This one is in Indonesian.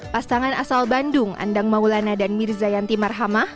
pasangan asal bandung andang maulana dan mirza yanti marhamah